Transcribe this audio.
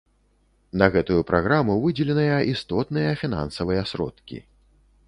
На гэтую праграму выдзеленыя істотныя фінансавыя сродкі.